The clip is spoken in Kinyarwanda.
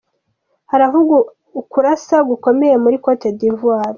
Haravugwa ukurasa gukomeye muri Cote d'Ivoire.